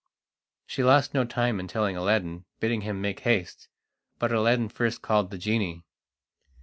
She lost no time in telling Aladdin, bidding him make haste. But Aladdin first called the genie.